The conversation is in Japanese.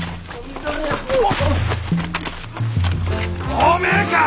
おめえか！